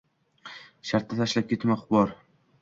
Shartta tashlab ketmoq bor.